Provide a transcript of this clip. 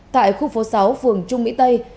tại khu phố sáu phường trung mỹ tây